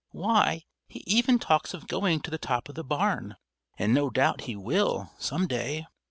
Why, he even talks of going to the top of the barn, and no doubt he will, some day."